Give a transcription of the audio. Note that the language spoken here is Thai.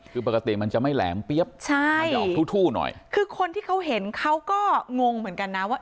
คือปกติมันจะไม่แหลมใช่คือคนที่เขาเห็นเขาก็งงเหมือนกันนะว่า